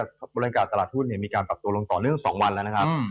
ใช่ครับจริงแล้วบรางกายมีการกลับตัวร่งต่อแล้วครับ